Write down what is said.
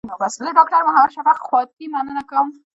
له ډاکټر محمد شفق خواتي مننه کوم.